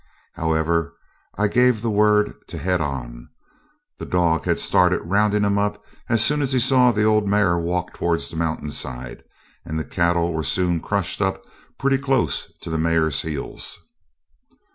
However, I gave the word to 'head on'. The dog had started rounding 'em up as soon as he saw the old mare walk towards the mountain side, and the cattle were soon crushed up pretty close to the mare's heels.